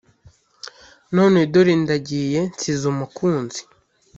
None dore ndagiye Nsize umukunzi